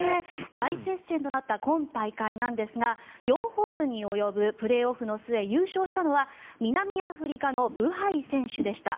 大接戦となった今大会なんですが４ホールに及ぶプレーオフの末優勝したのは南アフリカのブハイ選手でした。